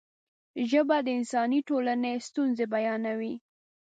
ژبه د انساني ټولنې ستونزې بیانوي.